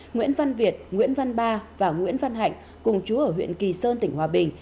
nguyễn văn việt nguyễn văn ba và nguyễn văn hạnh cùng chú ở huyện kỳ sơn tỉnh hòa bình